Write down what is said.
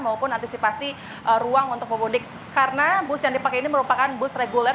maupun antisipasi ruang untuk pemudik karena bus yang dipakai ini merupakan bus reguler